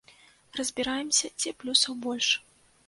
Разбіраемся, дзе плюсаў больш.